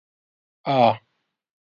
ئا.